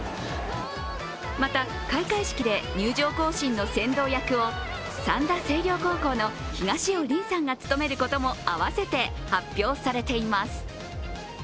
また、開会式で入場行進の先導役を三田西陵高校の東尾凜さんが務めることも併せて発表されています。